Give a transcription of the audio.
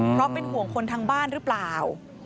เพราะเป็นห่วงคนทางบ้านหรือเปล่า